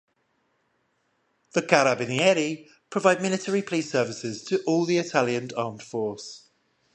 The Carabinieri provide military police services to all the Italian armed force.